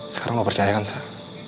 sekarang lo percaya kan sah